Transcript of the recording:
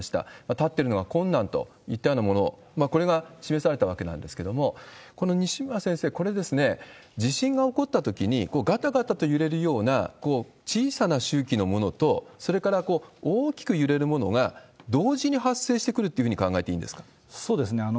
立ってるのが困難といったようなもの、これが示されたわけなんですけれども、西村先生、これ、地震が起こったときに、がたがたと揺れるような小さな周期のものと、それから大きく揺れるものが同時に発生してくるというふうに考えそうですね。